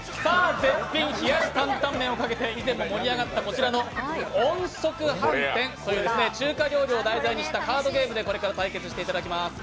絶品冷やし坦々麺をかけて以前も盛り上がった、こちらの「音速飯店」、中華料理を題材にしたカードゲームでこれから対決していただきます。